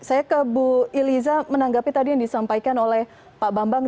saya ke bu iliza menanggapi tadi yang disampaikan oleh pak bambang